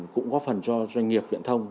cũng góp phần cho doanh nghiệp viễn thông